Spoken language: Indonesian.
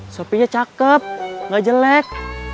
sopinya cakep enggak jelek